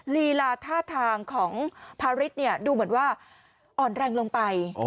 ลีลาท่าทางของพาริสดูเหมือนว่าอ่อนแรงลงไป